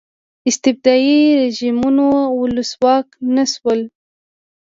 استبدادي رژیمونو ولسواک نه شول.